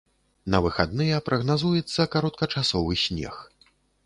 На выхадныя прагназуецца кароткачасовы снег.